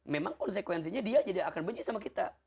memang konsekuensinya dia aja dia akan benci sama kita